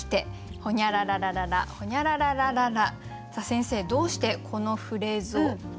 先生どうしてこのフレーズを？